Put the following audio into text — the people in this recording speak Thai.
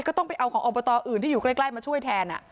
ก็ต้องไปเอาของอบตอื่นที่อยู่ใกล้มาช่วยแทน